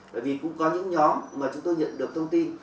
bởi vì cũng có những nhóm mà chúng tôi nhận được thông tin